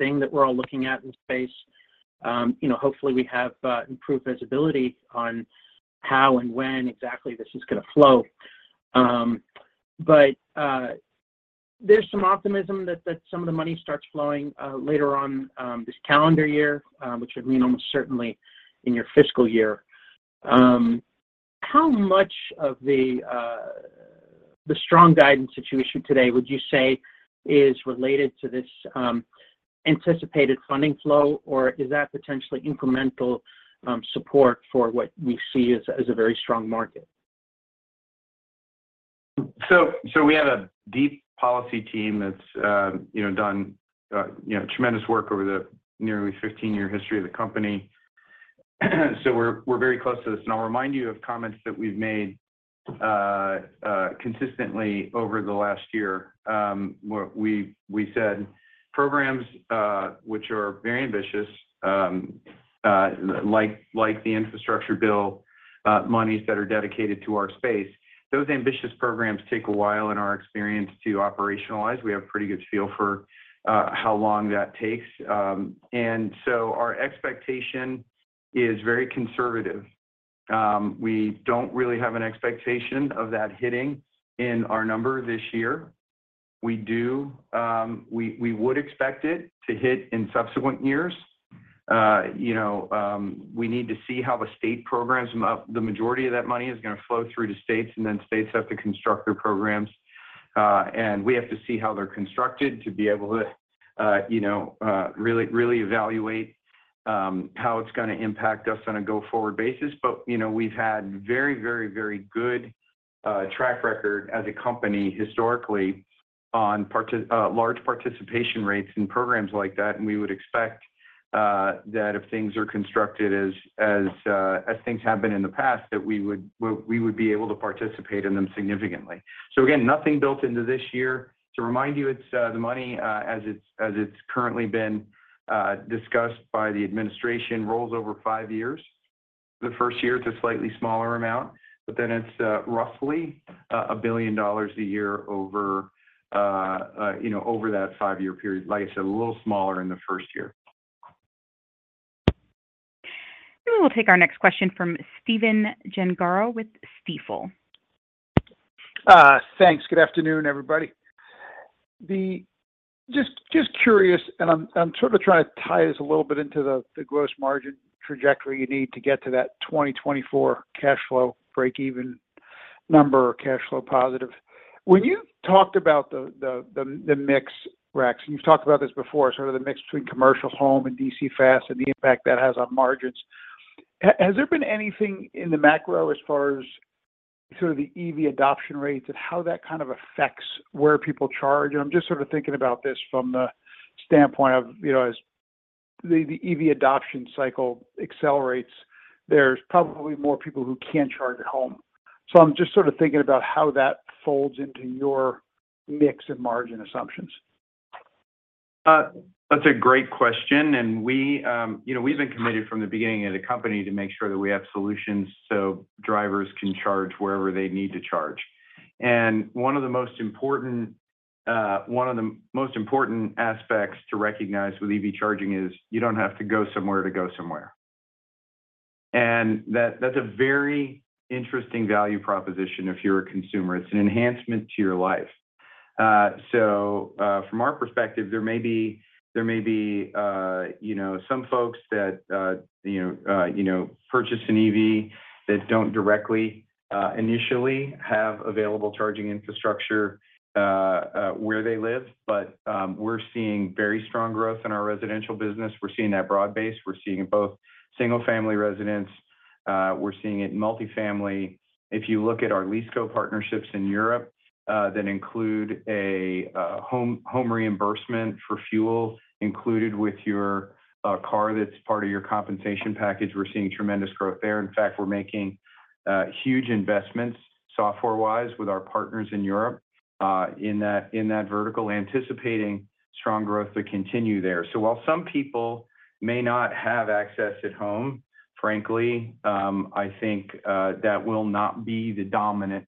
The thing that we're all looking at in the space. Hopefully we have improved visibility on how and when exactly this is gonna flow. There's some optimism that some of the money starts flowing later on this calendar year, which would mean almost certainly in your fiscal year. How much of the strong guidance that you issued today would you say is related to this anticipated funding flow, or is that potentially incremental support for what we see as a very strong market? We have a deep policy team that's you know done you know tremendous work over the nearly 15-year history of the company, so we're very close to this. I'll remind you of comments that we've made consistently over the last year where we said programs which are very ambitious like the Infrastructure Bill monies that are dedicated to our space. Those ambitious programs take a while in our experience to operationalize. We have a pretty good feel for how long that takes. Our expectation is very conservative. We don't really have an expectation of that hitting in our number this year. We would expect it to hit in subsequent years. You know we need to see how the state programs... The majority of that money is gonna flow through to states, and then states have to construct their programs. We have to see how they're constructed to be able to, you know, really evaluate how it's gonna impact us on a go-forward basis. You know, we've had very good track record as a company historically on large participation rates in programs like that, and we would expect that if things are constructed as things have been in the past, that we would be able to participate in them significantly. Again, nothing built into this year. To remind you, it's the money as it's currently been discussed by the administration, rolls over five years. The first year, it's a slightly smaller amount, but then it's roughly $1 billion a year over you know over that five-year period. Like I said, a little smaller in the first year. We'll take our next question from Stephen Gengaro with Stifel. Thanks. Good afternoon, everybody. Just curious, I'm sort of trying to tie this a little bit into the gross margin trajectory you need to get to that 2024 cash flow breakeven number or cash flow positive. When you talked about the mix, Rex, and you've talked about this before, sort of the mix between commercial, home and DC fast and the impact that has on margins. Has there been anything in the macro as far as sort of the EV adoption rates and how that kind of affects where people charge? I'm just sort of thinking about this from the standpoint of, you know, as the EV adoption cycle accelerates, there's probably more people who can't charge at home. I'm just sort of thinking about how that folds into your mix and margin assumptions. That's a great question, and we, you know, we've been committed from the beginning as a company to make sure that we have solutions so drivers can charge wherever they need to charge. One of the most important aspects to recognize with EV charging is you don't have to go somewhere to go somewhere. That's a very interesting value proposition if you're a consumer. It's an enhancement to your life. From our perspective, there may be, you know, some folks that, you know, purchase an EV that don't directly, initially have available charging infrastructure, where they live, but, we're seeing very strong growth in our residential business. We're seeing that broad base. We're seeing it in both single-family residence. We're seeing it in multifamily. If you look at our LeaseCo partnerships in Europe, that include a home reimbursement for fuel included with your car that's part of your compensation package, we're seeing tremendous growth there. In fact, we're making huge investments software-wise with our partners in Europe in that vertical, anticipating strong growth to continue there. While some people may not have access at home, frankly, I think that will not be the dominant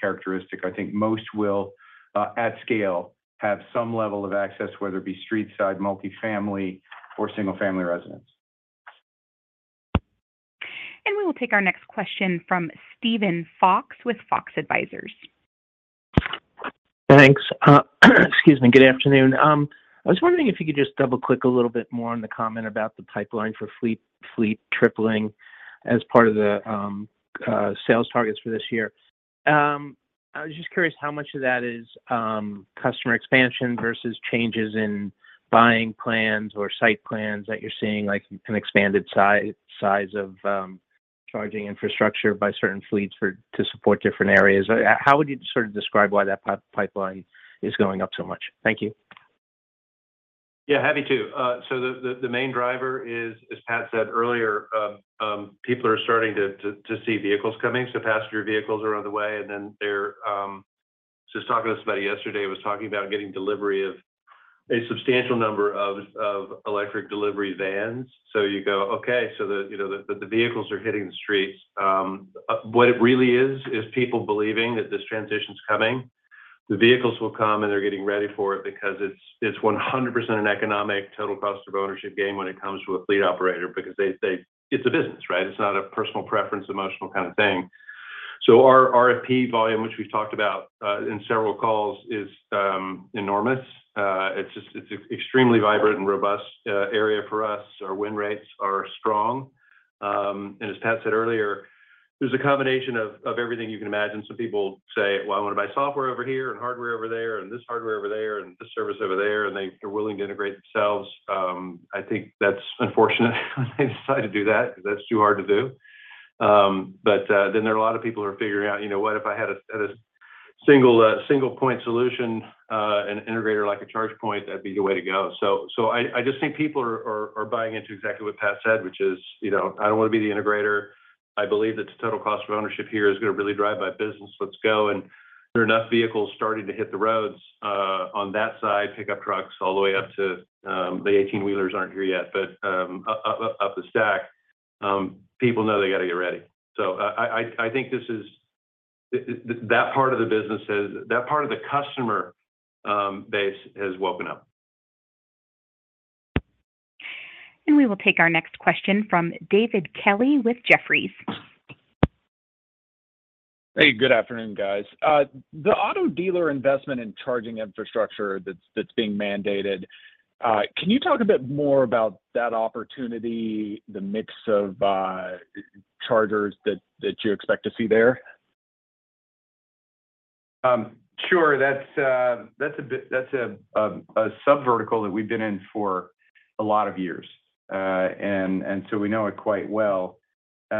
characteristic. I think most will, at scale, have some level of access, whether it be streetside, multifamily, or single-family residence. We will take our next question from Steven Fox with Fox Advisors. Thanks. Excuse me. Good afternoon. I was wondering if you could just double-click a little bit more on the comment about the pipeline for fleet tripling as part of the sales targets for this year. I was just curious how much of that is customer expansion versus changes in buying plans or site plans that you're seeing, like an expanded size of charging infrastructure by certain fleets to support different areas. How would you sort of describe why that pipeline is going up so much? Thank you. Yeah, happy to. The main driver is, as Pat said earlier, people are starting to see vehicles coming, so passenger vehicles are on the way, and then they're just talking to somebody yesterday. I was talking about getting delivery of a substantial number of electric delivery vans. You go, "Okay, so you know, the vehicles are hitting the streets." What it really is is people believing that this transition's coming. The vehicles will come, and they're getting ready for it because it's 100% an economic total cost of ownership game when it comes to a fleet operator because they. It's a business, right? It's not a personal preference, emotional kind of thing. Our RFP volume, which we've talked about in several calls, is enormous. It's just extremely vibrant and robust area for us. Our win rates are strong. As Pat said earlier, there's a combination of everything you can imagine. Some people say, "Well, I wanna buy software over here and hardware over there and this hardware over there and this service over there," and they're willing to integrate themselves. I think that's unfortunate when they decide to do that, because that's too hard to do. There are a lot of people who are figuring out, "You know what? If I had a single point solution, an integrator like ChargePoint, that'd be the way to go." I just think people are buying into exactly what Pat said, which is, you know, "I don't wanna be the integrator. I believe that the total cost of ownership here is gonna really drive my business. Let's go. There are enough vehicles starting to hit the roads on that side, pickup trucks all the way up to 18-wheelers aren't here yet, but up the stack, people know they gotta get ready. I think that part of the customer base has woken up. We will take our next question from David Kelley with Jefferies. Hey, good afternoon, guys. The auto dealer investment in charging infrastructure that's being mandated, can you talk a bit more about that opportunity, the mix of chargers that you expect to see there? Sure. That's a sub-vertical that we've been in for a lot of years. We know it quite well. You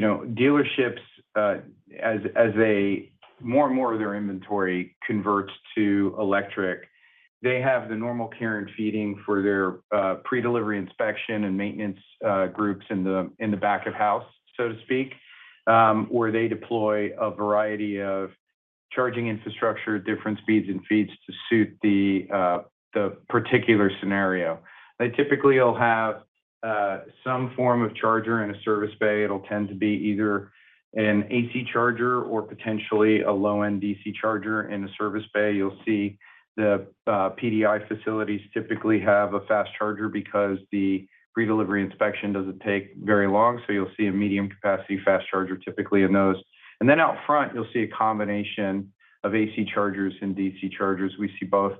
know, dealerships as they more and more of their inventory converts to electric, they have the normal care and feeding for their pre-delivery inspection and maintenance groups in the back of house, so to speak, where they deploy a variety of charging infrastructure at different speeds and feeds to suit the particular scenario. They typically will have some form of charger in a service bay. It'll tend to be either an AC charger or potentially a low-end DC charger in a service bay. You'll see the PDI facilities typically have a fast charger because the pre-delivery inspection doesn't take very long, so you'll see a medium capacity fast charger typically in those. Out front, you'll see a combination of AC chargers and DC chargers. We see both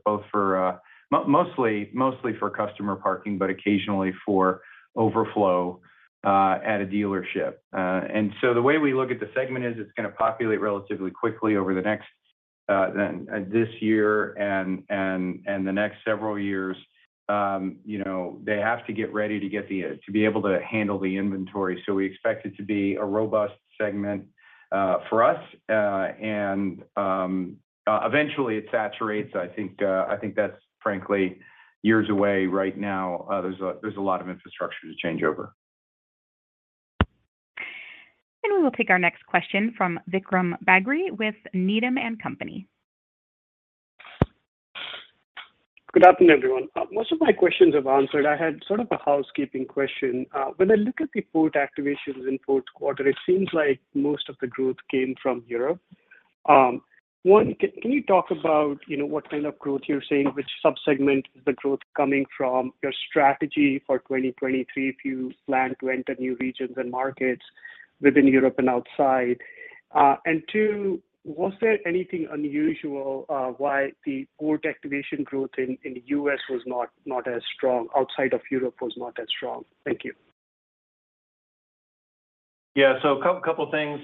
for mostly for customer parking, but occasionally for overflow at a dealership. The way we look at the segment is it's gonna populate relatively quickly over the next, this year and the next several years. You know, they have to get ready to be able to handle the inventory. We expect it to be a robust segment for us. Eventually it saturates. I think that's frankly years away right now. There's a lot of infrastructure to change over. We will take our next question from Vikram Bagri with Needham & Company. Good afternoon, everyone. Most of my questions you've answered. I had sort of a housekeeping question. When I look at the port activations in fourth quarter, it seems like most of the growth came from Europe. One, can you talk about, you know, what kind of growth you're seeing? Which sub-segment is the growth coming from? Your strategy for 2023, if you plan to enter new regions and markets within Europe and outside? Two, was there anything unusual, why the port activation growth in the U.S. was not as strong outside of Europe was not as strong? Thank you. A couple things.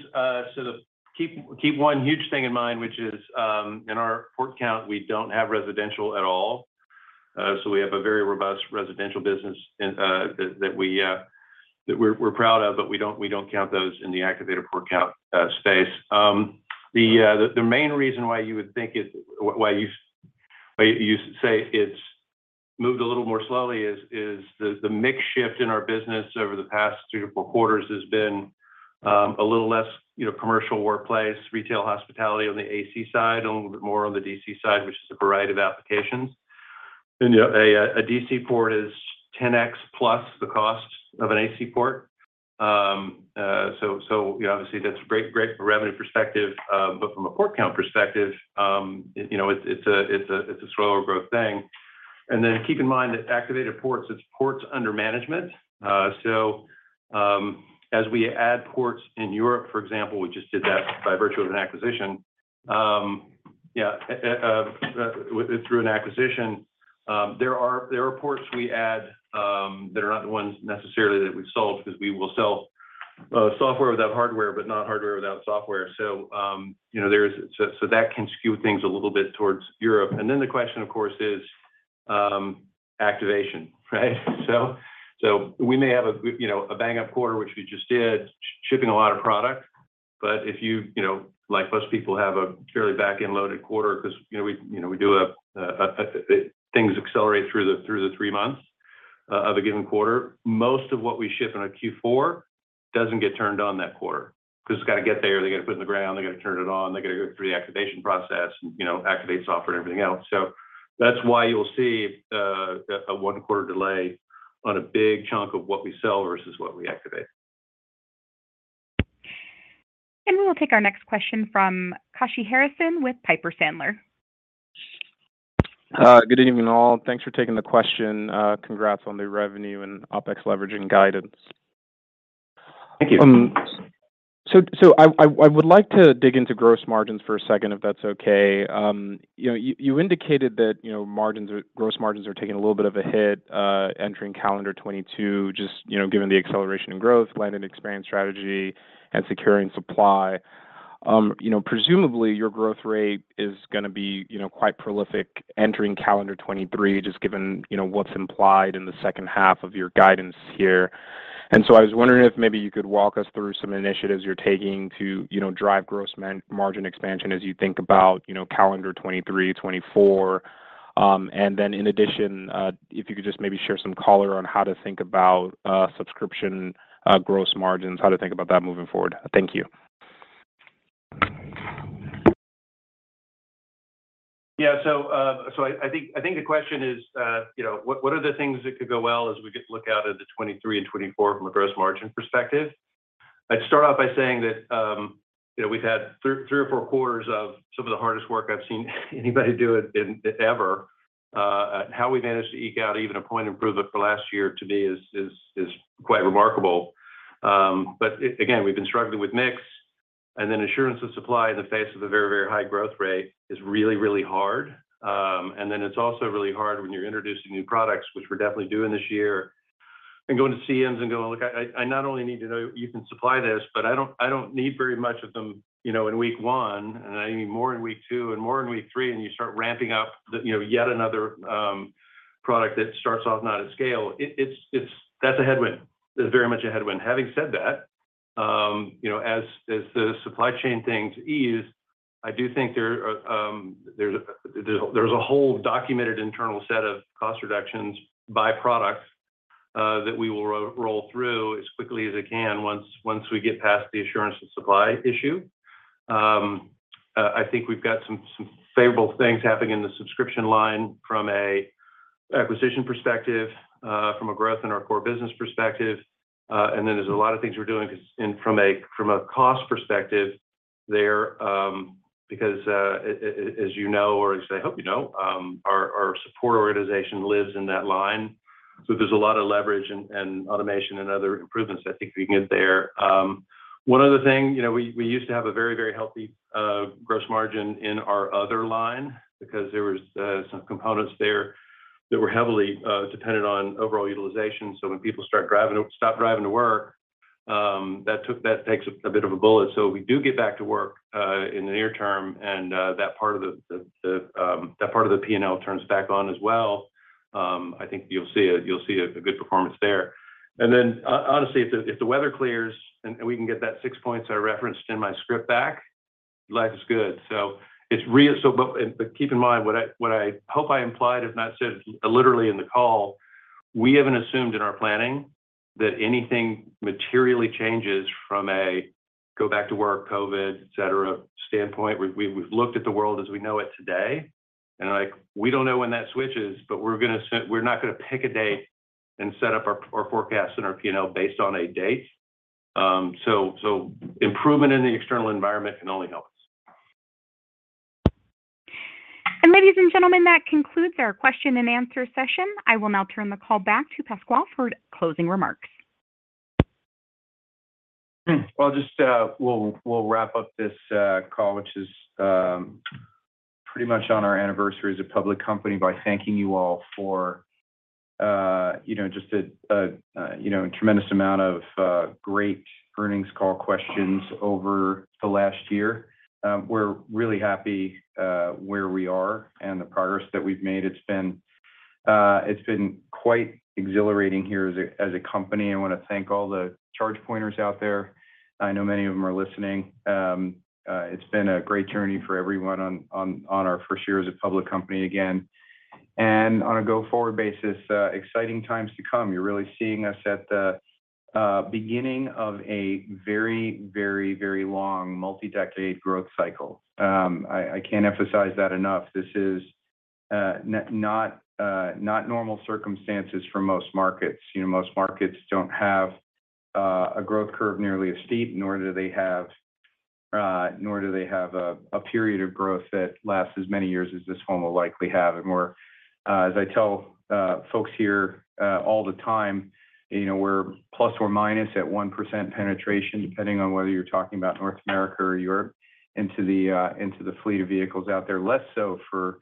Keep one huge thing in mind, which is, in our port count, we don't have residential at all. We have a very robust residential business that we're proud of, but we don't count those in the activated port count space. The main reason why you say it's moved a little more slowly is the mix shift in our business over the past three to four quarters has been a little less, you know, commercial workplace, retail hospitality on the AC side, a little bit more on the DC side, which is a variety of applications. A DC port is 10x plus the cost of an AC port. Obviously that's great. Great from a revenue perspective, but from a port count perspective, you know, it's a slower growth thing. Keep in mind that activated ports is ports under management. As we add ports in Europe, for example, we just did that by virtue of an acquisition. Through an acquisition, there are ports we add that are not the ones necessarily that we've sold, 'cause we will sell software without hardware, but not hardware without software. That can skew things a little bit towards Europe. The question, of course, is activation, right? We may have a bang-up quarter, which we just did, shipping a lot of product. If you know, like most people, have a fairly back-end loaded quarter 'cause, you know, we do things accelerate through the three months of a given quarter. Most of what we ship in a Q4 doesn't get turned on that quarter, 'cause it's gotta get there, they gotta put it in the ground, they gotta turn it on, they gotta go through the activation process and, you know, activate software and everything else. That's why you'll see a one-quarter delay on a big chunk of what we sell versus what we activate. We will take our next question from Kashy Harrison with Piper Sandler. Good evening, all. Thanks for taking the question. Congrats on the revenue and OpEx leveraging guidance. Thank you. I would like to dig into gross margins for a second, if that's okay. You know, you indicated that, you know, gross margins are taking a little bit of a hit, entering calendar 2022, just, you know, given the acceleration in growth, land and expand strategy, and securing supply. You know, presumably your growth rate is gonna be, you know, quite prolific entering calendar 2023, just given, you know, what's implied in the second half of your guidance here. I was wondering if maybe you could walk us through some initiatives you're taking to, you know, drive gross margin expansion as you think about, you know, calendar 2023, 2024. If you could just maybe share some color on how to think about subscription gross margins, how to think about that moving forward. Thank you. I think the question is, you know, what are the things that could go well as we get a look out into 2023 and 2024 from a gross margin perspective? I'd start out by saying that, we've had three or four quarters of some of the hardest work I've seen anybody do, ever. How we managed to eke out even a point improvement for last year to me is quite remarkable. Again, we've been struggling with mix and then assurance of supply in the face of a very, very high growth rate is really, really hard. It's also really hard when you're introducing new products, which we're definitely doing this year, and going to CMs and going, "Look, I not only need to know you can supply this, but I don't need very much of them, you know, in week one, and I need more in week two and more in week three," and you start ramping up the, you know, yet another, product that starts off not at scale. That's a headwind. That's very much a headwind. Having said that, you know, as the supply chain things ease, I do think there's a whole documented internal set of cost reductions by product, that we will roll through as quickly as I can once we get past the assurance of supply issue. I think we've got some favorable things happening in the subscription line from an acquisition perspective, from a growth in our core business perspective. Then there's a lot of things we're doing because from a cost perspective there, because as you know, or at least I hope you know, our support organization lives in that line. There's a lot of leverage and automation and other improvements I think we can get there. One other thing, you know, we used to have a very healthy gross margin in our other line because there was some components there that were heavily dependent on overall utilization. When people stopped driving to work, that takes a bit of a bullet. We do get back to work in the near term, and that part of the P&L turns back on as well. I think you'll see a good performance there. Honestly, if the weather clears and we can get that six points I referenced in my script back. Life is good. It's real. Keep in mind what I hope I implied, if not said literally in the call, we haven't assumed in our planning that anything materially changes from a go back to work COVID, et cetera, standpoint. We've looked at the world as we know it today. Like, we don't know when that switches, but we're not going to pick a date and set up our forecast and our P&L based on a date. Improvement in the external environment can only help us. Ladies and gentlemen, that concludes our question and answer session. I will now turn the call back to Pasquale for closing remarks. Well, just we'll wrap up this call, which is pretty much on our anniversary as a public company by thanking you all for, you know, just a, you know, a tremendous amount of great earnings call questions over the last year. We're really happy where we are and the progress that we've made. It's been quite exhilarating here as a company. I want to thank all the ChargePointers out there. I know many of them are listening. It's been a great journey for everyone on our first year as a public company again. On a go-forward basis, exciting times to come. You're really seeing us at the beginning of a very, very, very long multi-decade growth cycle. I can't emphasize that enough. This is not normal circumstances for most markets. You know, most markets don't have a growth curve nearly as steep, nor do they have a period of growth that lasts as many years as this one will likely have. We're, as I tell folks here all the time, you know, we're plus or minus at 1% penetration, depending on whether you're talking about North America or Europe, into the fleet of vehicles out there, less so for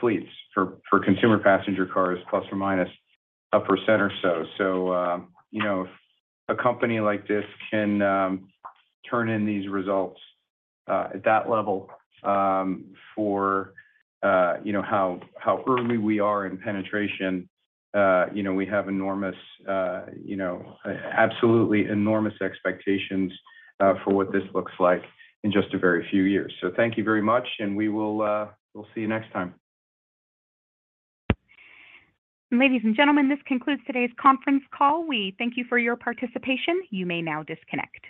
fleets, for consumer passenger cars, plus or minus 1% or so. You know, a company like this can turn in these results at that level for, you know, how early we are in penetration. You know, we have enormous, you know, absolutely enormous expectations for what this looks like in just a very few years. Thank you very much. We will see you next time. Ladies and gentlemen, this concludes today's conference call. We thank you for your participation. You may now disconnect.